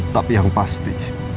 tapi yang pasti